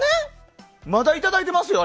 まだいただいていますよ。